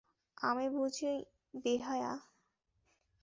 আমি বুঝি বেহায়া?